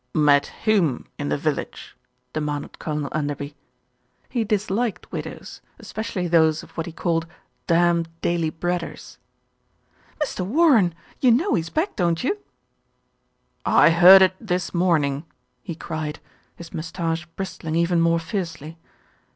"Met whom in the village?" demanded Colonel Enderby. He disliked widows, especially those of what he called "damned daily breaders." "Mr. Warren! You know he's back, don't you?" "I heard it this morning," he cried, his moustache bristling even more fiercely.